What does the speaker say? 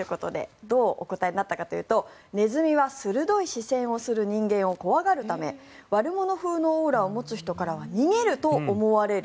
どうお答えになったかというとネズミは鋭い視線をする人間を怖がるため悪者風のオーラを持つ人からは逃げると思われる。